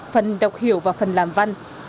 phần đọc hiểu và phần làm văn